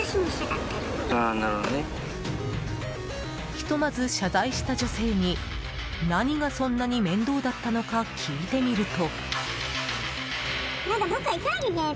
ひとまず謝罪した女性に何がそんなに面倒だったのか聞いてみると。